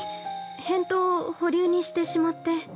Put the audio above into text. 返答を保留にしてしまって。